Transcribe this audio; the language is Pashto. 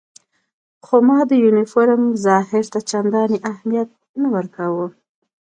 خو ما د یونیفورم ظاهر ته چندانې اهمیت نه ورکاوه.